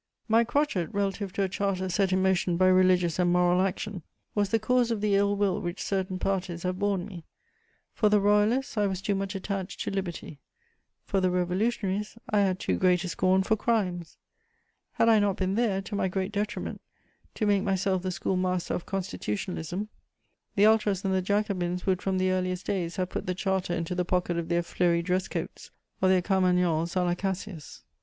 My crotchet, relative to a Charter set in motion by religious and moral action, was the cause of the ill will which certain parties have borne me: for the Royalists, I was too much attached to liberty; for the Revolutionaries, I had too great a scorn for crimes. Had I not been there, to my great detriment, to make myself the school master of constitutionalism, the Ultras and the Jacobins would from the earliest days have put the Charter into the pocket of their fleury dress coats or their carmagnoles _à la Cassius.